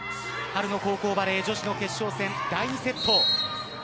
春の高校バレー女子の決勝戦、第２セット。